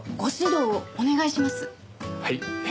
はい。